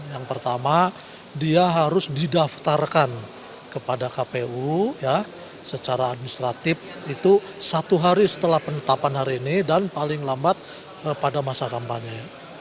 yang pertama dia harus didaftarkan kepada kpu secara administratif itu satu hari setelah penetapan hari ini dan paling lambat pada masa kampanye